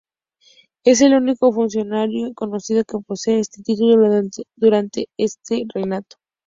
Es el único funcionario conocido que posee este título durante este reinado.